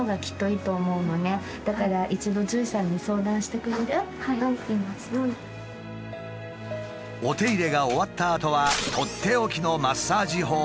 お手入れが終わったあとはとっておきのマッサージ法をアドバイス。